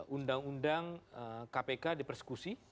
undang undang kpk dipersekusi